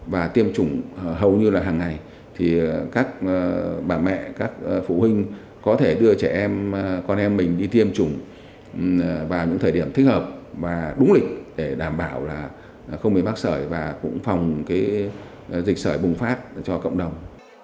và tiêm chủng hầu như là hàng ngày thì các bà mẹ các phụ huynh có thể đưa trẻ em con em mình đi tiêm chủng vào những thời điểm thích hợp và đúng lịch để đảm bảo là không bị mắc sởi và cũng phòng dịch sởi bùng phát cho cộng đồng